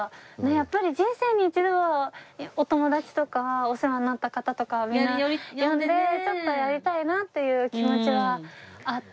やっぱり人生に一度はお友達とかお世話になった方とかみんな呼んでちょっとやりたいなっていう気持ちはあって。